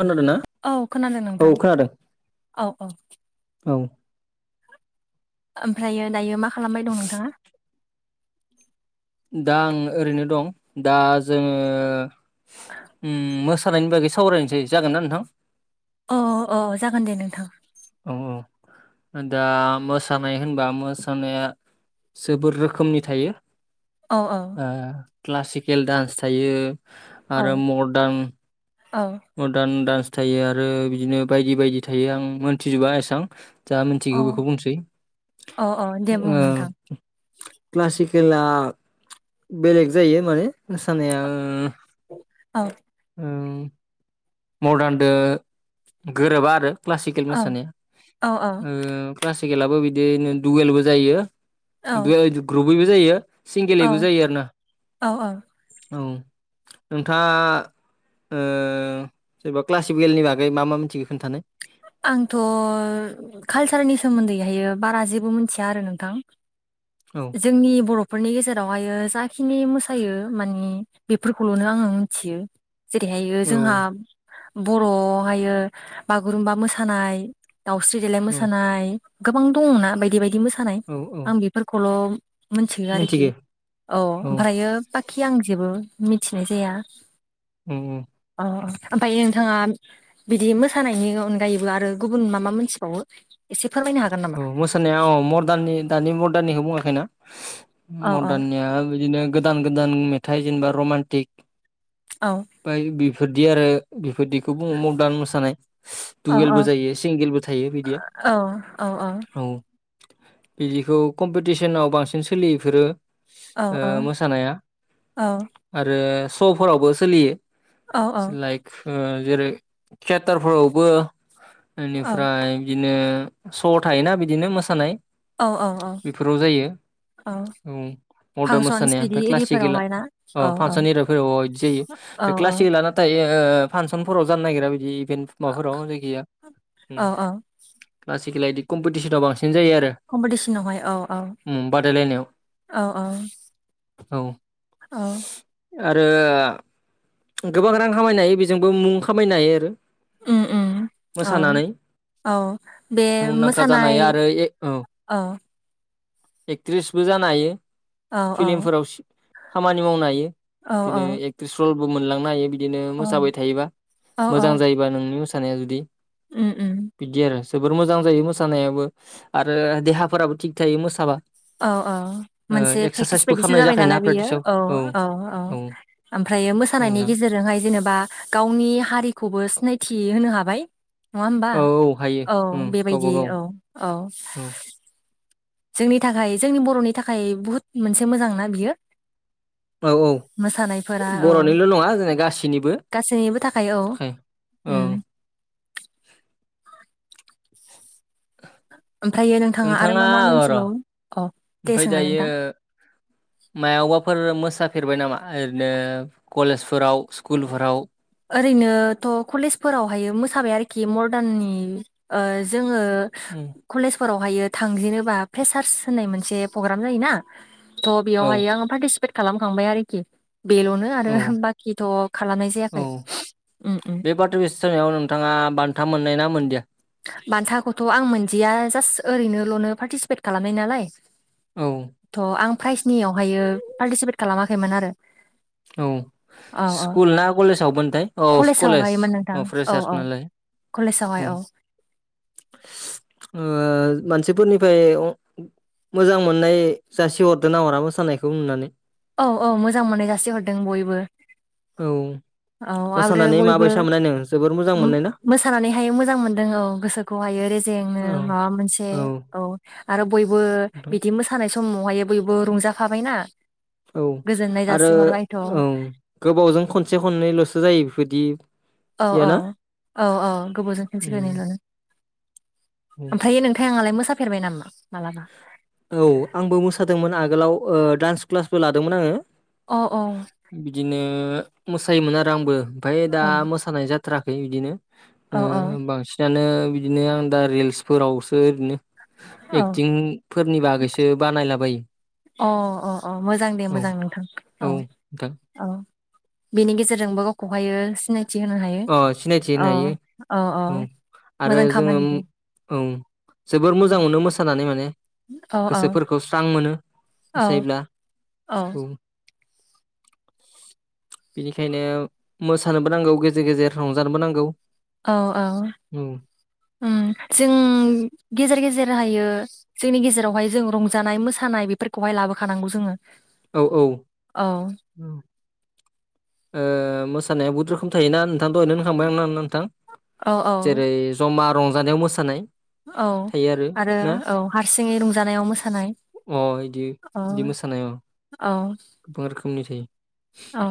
खोनादों ना? औ खोनादों औ नोंथां खोनादों औ औ औ। ओमफ्रायो दायो मा खालामबाय दं नोंथाङा दा आं ओरैनो दं दा जोङो मो सानायनि बागै सावरायनोसै जागोन ना नोंथां अ अ जागोन दे नोंथां औ औ दा मोसानाय होनबा मोसानाया जोबोद रोखोमनि थायो औ क्लासिकेल डान्स थायो औ आरो मडारन औ मदार्न डानस थायो आरो बिदिनो बायदि बायदि थायो आं मोनथिजोबा एसेबां जा औ मिथिगौ बेखौ बुंसै औ औ दे बुं नोंथां क्लासिकेला बेलेग जायो माने मोसानाया औ मदारनजों गोरोबा आरो क्लासिकेल औ मोसानाया औ क्लासिकेलाबो बिदिनो दुवेलबो जायो औ ग्रुपैबो जायो सिंगेलैबो औ जायो आरो ना औ औ औ नोंथाङा जेनेबा क्लासिकेलनि बागै मा मा मिथिगौ खोनन्थानो आंथ' कालसारनि सोमोन्दैहाय बारा जेबो मिथिया आरो नोंथां औ जोंनि बर'फोरनि गेजेरावहायो जाखिनि मोस मोसायो मानि बेफोरखौल'नो आङो मिथियो जेरैहायो औ जोंहा बर'आवहायो बागुरुमबा मोसानाय दाउस्रि देलाय औ मोसानाय गोबां दङना बायदि बायदि मोसानाय औ औ आं बेफोरखौल' मिथियो आरोखि मिथिगो औ ओमफ्रायो बाखि आं जेबो मिथिनाय जाया उम अ ओमफ्राय नोंथाङा बिदि मोसानायनियाव गायोबो आरो गुबुन मा मा मोनथिबावो एसे फोरमायनो हागोन नामा औ मोसानाया अ मदार्ननि दानि मदार्ननिखौ बुङाखैना? औ औ मदार्ननिया बिदिनो गोदान गोदान मेथाइ जेनेबा रमान्टिक औ ओमफ्राय बेफोरदि आरो बेफोरदिखौ बुङो मदार्न मोसानाय औ डुवेलबो जायो सिंगेलबो थायो बिदिया अ अ औ बिदिखौ कम्पिटिसनाव बांसिन सोलियो एफोरो औ ओ मोसानाया आरो श'फोरावबो सोलियो औ लाइक ओ जेरै थयेटारफोरावबो इनिफ्राय बिदिनो श' थायोना बिदिनो मोसानाय औ औ बेफोराव जायो औ मदार्न फांसनस मोसानाया बिदि ओमफाय क्लासिकेला एरिफोरावहाय ना औ अ औ फांसन एर [unintelligible] बिदि जायो औ बे क्लासिकेल औ ना [unintelligible] थायो ओ फांसनफोराव जानो नागिरा बिदि इभेन्ट माबाफोराव जायखिाया [unintelligible] औ औ ओम आजिखालि कमपिटिसनावा बांसिन सिन जायो आरो कम्पिटिसनावहाय औ औ ओम बादायलायनायाव औ औ औ आरो गोबां रां खामायनो हायो बेजोंबो मुं खामायनो हायो आरो उम उम औ मोसानानै औ बे मुंदांखा जानाय मोसानाय आरो ए औ एक्ट्रिसबो जानो हायो औ औ फिल्मफोराव खामानि मावनो हायो औ बिदिनो एक्ट्रिस रलबो मोनलांनो हायो बिदिनो औ मोसाबाय थायोबा औ औ मोजां जायोबा नोंनि मोसानाय नाया जुदि उम उम बिदि आरो जोबोर मोजां जायो मोसानायाबो आरो देहाफोराबो थिग थायो मोसाबा औ औ ओ मोनसे प्रेक्टिस एक्सारसाइसबो बायदिसो खालामनाय जाबाय जाखायोना नालाय बेयो प्रेक्टिसाव औ औ औ ओमफ्राय बे औ मोसानायनि नोंथां गेजेरजोंहाय जेनेबा गावनि हारिखौबो सिनायथि होनो हाबाय नङा होमबा औ औ हायो औ उम गावबा बेबायदि गाव औ औ औ जोंनि थाखाय जोंनि बर'नि थाखाय बुहुत मोनसे मोजांना बियो औ औ मोसानायफोरा औ बर'निल' नङा जोंना गासैनिबो गासैनिबो औ थाखाय औ उम ओमफ्रायो नोंथाङा आरो मा मा मिनथिबावो ओमफाय दायो मायावबाफोर मोसाफेरबाय नामा ओरैनो कलेजफोराव स्कुलफोराव ओरैनोथ' कलेजफोरावहायो मोसाबाय आरोखि मदारननि ओ जों ङो उम, कलेजफोराव बेहायो थांजेनोबा प्रेसार्स होननाय मोनसे प्रग्राम जायोना थ' औ बेयावहाय आङो पार्टिसिपे ट खालामखांबाय आरोखि बेल'नो आरो औ बाखि औ उम बे बाथ' बिस सायाव नोंथाङा बान्था मोननाय ना मोनदिया बानथाखौथ' आं मोनदिया जास्ट ओरैनोल'नो पार्टिसिपेट खालामनाय नालाय औ थ' आं प्राइजनियावहायो पार्टिसिपेट खालामाखैमोन आरो औ औ औ स्कुल ना कलेजावमोनथाय औ कलेज कलेजावहायमोन नोंथां औ प्रेसास औ नालाय कलेजावहाय उम, औ ओ मानसिफोरनिफ्राय मोजां मोननाय जासि हरदोना हरा मोसानायखौ नुनानै औ औ मोजां मोननाय जासिहरदों बयबो औ औ आरो मोसानानै बयबो माबायसा मोननाय नों जोबोर मोजां मोननाय ना मोसानानैहाय मोजां मोनदों औ गोसोखौहायो रेजेंनो औ माबा मोनसे औ आरो बयबो नोंथां। बिदि मोसानाय समावहाय बयबो रंजाफाबायना औ गोजोननाय आरो जासिहरबायथ' औ गोबावजों खनसे खननैल'सो जायो बेबायदि औ औ याना औ औ गोबावजों खनसे खननै उम ल'नो उम ओमफ्रायो नोंथाङालाय मोसाफेरबाय नामा मालाबा औ आंबो मोसादोंमोन आगोलाव ओ डान्स क्लासबो लादोंमोन आङो अ औ बिदिनो मोसायोमोन आरो आंबो ओमफ्राय दा औ मोसानाय जाथ थाराखै बिदिनो औ ओ बांसिनानो बिदिनो आं दा रिल्सफोरावसो ओरैनो औ एक्टिंफोरनि बागैसो बानायलाबायो अ अ अ मोजां दे औ मोजां नोंथां औ औ बेनि गेजेरजोंबो गावखौहायो सिनाय थि होनो हायो अ सिनायथि औ होनो हायो औ औ आरो मोजां जोङो खामानि उम ओं जोबोर मोजां उम, मोनो मोसानानै माने औ औ गोसोफोरखौ स्रां मोनो औ जेब्ला औ बुं बेनिखायनो मोसानोबो नांगौ गे जेर गेजेर रंजानोबो नांगौ औ औ उम जों गेजेर गेजेर रो हायो जोंनि गेजेरावहाय जों रंजानाय मोसानाय बेफोरखौहाय लाबोखानांगौ जोङो औ औ औ ओ मोसानाया बहुत रोखोम थायोना नो थां दहायनो होनखांबाय आं ना नोंथां औ औ जेरै जमा रंजानायाव मोसानाय औ थायो आरो ना औ हारसिङै रंजानायाव मोसानाय अ बिदि औ बिदि मोसानाय औ गोबां रोखोमनि थायो औ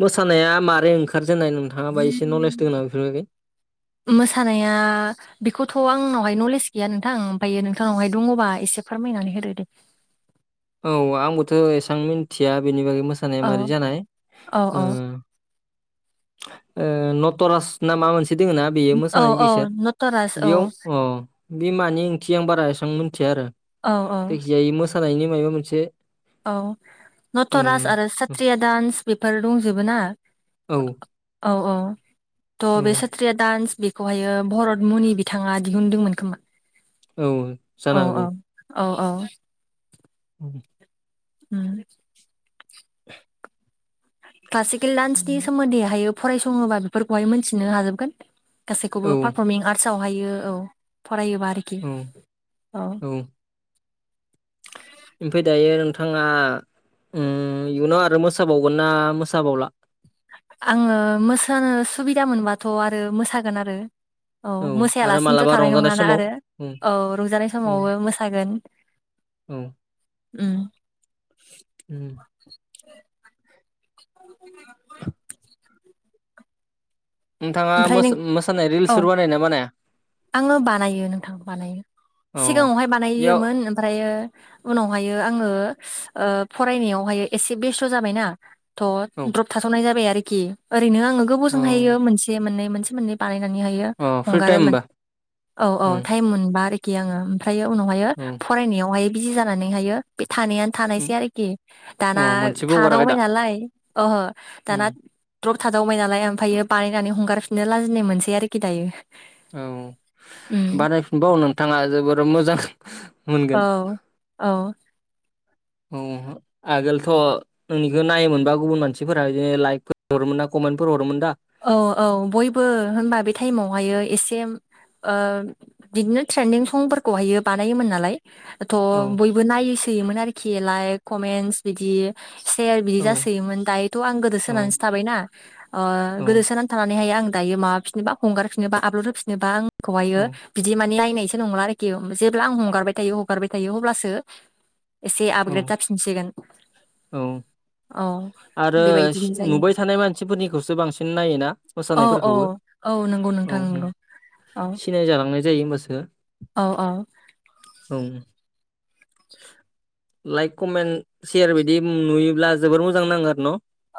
मोसानाया मारे ओंखार मोसानाया बेखौथ' आंनाव हाय नलेज गैया नोंथां आमफ्रायो नोंथांनावहाय दङबा एसे फोरमायनानै होदो दे औ आंबोथ' एसां मिथिया बेनि बागै मोसानाया औ मारै जानाय औ औ उम ओ नटरास ना मा मोनसे दोङो ना बेयो औ मोसानाय औ बिसोर नटराज औ बेयाव अ बे मानि ओंथि आं बारा एसां मोन मिथिया आरो औ औ जायखिजाया इयो मोसानायनि माबा मोनसे औ नटराज आरो ओ सात्रिया दान्स बेफोर दंजोबो ना औ औ औ त' बे औ सत्रिया दान्स बे खौहायो भरत मनि बिथाङा दिहुनदोंमोन खोमा औ जानो औ औ हागौ औ औ [inaudible] उम [inaudible] क्लासिकेल डान्सनि सोमोन्दैहायो फरायसङोबा बेफोरखौहाय मिथिनो हाजोबगोन औ गासैखौबो पारफर्मिं आर्ट आव हायो औ फरायोबा आरोखि औ ओमफ्राय दायो नोंथाङा इयुनाव आरो मोसाबावगोन ना मोसाबावला आङो मोसानो सुबिदा मोनबाथ' आरो मोसागोन आरो औ आरो मोसायालासिनोथ' मालाबा थानाय रंजानाय नङाना समाव आरो उम औ रंजानाय उम समावबो मोसागोन औ ओम उम [inaudible] नोंथाङा ओमफ्राय नों मोसानाय औ रिल्सफोर बानायो ना बानाया आङो बानायो नोंथां बानायो औ सिगाङावहाय बेयाव बानायोमोन ओमफ्रायो उनावहायो आङो ओ फरायनायावहाय एसे बेस्थ' जाबायना थ' औ द्रप थाथ'नाय जाबाय आरोखि ओरैनो आङो औ गोबावजोंहायो मोनसे मोननै मोनसे मोननै बानाय अ फ्रि टाइम हगारोमोन होमबा औ औ उम ताइम मोनबा आरोखि आङो ओमफ्रायो उनावहायो औ फरायनायावहाय बिजि जानानैहायो थानायानो उम थानायसै आरोखि दाना अ मोनसेबो हगाराखै थादावबाय दा नालाय ओहो दाना उम द्रप थादावबाय नालाय ओमफ्रायो बानायनानै हगारफिननो लाजिनाय मोनसै आरोखि दायो औ उम बानायफिनबाव नोंथाङा जोबोर मोजां औ मोनगोन औ औ आगोलथ' नोंनिखौ नायोमोनबा गुबुन मानसिफोरा बिदिनो लाइकफोर हरोमोन ना फोर हरोमोन दा औ औ बयबो होनबा बे टाइमाव यो एसे बिदिनो ट्रेन्डिं संफोरखौहायो बानायोमोन नालाय थ' औ बयबो नायसोयोमोन आरोखि लाइक कमेन्स बिदि सेयार बिदि औ जासोयोमोन दायोथ' आं औ गोदोसोनानैसो थाबायना अह औ गोदोसोनानै थानानैहाय आं दायो माबाफिनबा हगारफिननोबा आबलद होफिनोबा आं खौहायो औ बिदि माने नायनायसो नंला आरो जेब्ला आं हगारबाय थायो हगारबाय थायो अब्लासो एसे औ आपग्रेड जाफिनसिगोन औ औ आरो बेबायदिनो जायो नुबाय थानाय मानसिफोरनिखौसो बांसिन नायो ना औ औ मोसानायफ़रखौबो औ नंगौ नोंथां नंगौ औ सिनायजालांनाय जायो होमबासो औ औ औ लाइक कमेन्ट सेयार बिदि नुयोब्ला जोबोर मोजां नाङो आरो न'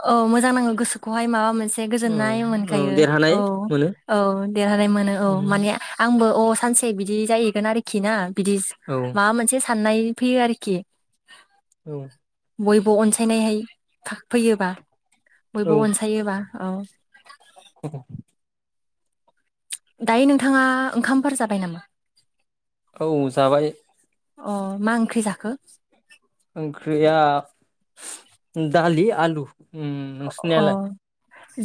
औ मोजां नाङो गोसोखौहाय माबा मोनसे औ गोजोननाय औ मोनखायो देरहानाय औ मोनो औ देरहानाय मोनो औ उम माने आंबो अ सानसे बिदि जाहैगोन आरोखि ना बिदि औ माबा मोनसे साननाय फैयो आरोखि औ बयबो अनसायनायहाय फैयोबा औ बयबो अनसायोबा औ [inaudible] दायो नोंथाङा ओंखामफोर जाबाय नामा औ जाबाय अ मा ओंख्रि जाखो ओंख्रिया दालि आलु ओम अ नोंसिनालाय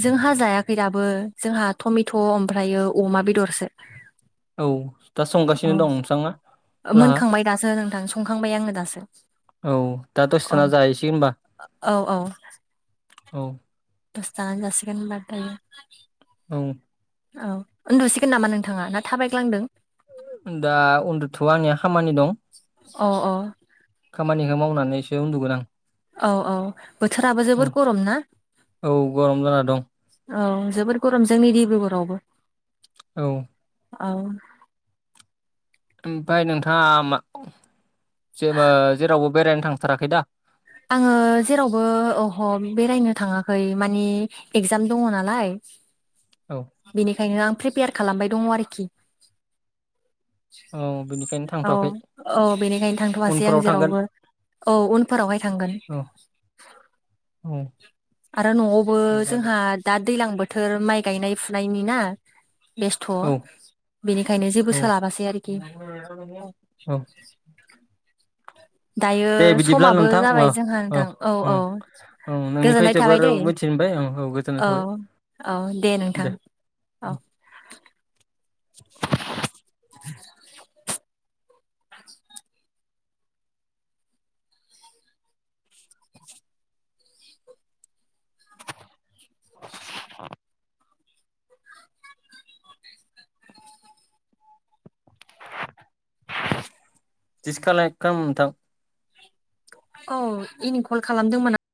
जोंहा जायाखै दाबो जोंहा टमेट' ओमफ्रायो अमा बेदरसो औ दा संगासिनो दं नोंथाङा अह लाहा मोनखांबाय दासो नोंथां संखांबाय आङो दासो औ दा अ दसेथाना जाहैसै होनोमबा औ औ औ दसे थाना जासिगोन होमबा दायो औ औ उन्दुसिगोन नामा नोंथाङा ना थाबायग्लांदों दा उन्दु'वा आंनिया खामानि दं अ आं। खामानिखौ मावनानैसो उन्दुगोन आं। औ - औ बोथोराबो औ जोबोर गरम ना औ गरम जाना दं औ जोबोद गरम जोंनि डिब्रुगरआवबो औ। औ ओमफाय नोंथांङा जेबो जेरावबो बेरायनो थांथाराखै दा। आंङो जेरावबोह बेरायनो थांङाखै मानि एगजाम दंङो नालाय? औ बेनिखायनो आं प्रिपेयार खालामबाय दंङो आरो खि औ बि औ औ बेनिखायनो थांथ'वासै आं उनफोराव थांगोन जेरावबो औ उनफोरावहाय। औ औ [unintelligible] आरो न'आवबो जागोन जोंहा दा दैलां बोथोर माइ गायनाय फुनायनि ना? बेस्थ' औ बेनिखायनो जेबो औ सोलाबासै आरोखि औ [inaudible] दायो दे बिदिब्ला समाबो नोंथां अ जाबाय जोंहा अ नोंथां औ औ ओं ओं नोंनिफ्राय गोजोननाय थाबाय जोबोर दैे मिथिनो मोनबाय ओं गोजोननाय औ थाबाय औ दे नोंथां। औ। [inaudible] [inaudible] [inaudible] [unintelligible] औ इनि कल खालामदोंमोन आं।